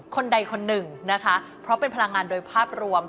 คนใดคนหนึ่งนะคะเพราะเป็นพลังงานโดยภาพรวม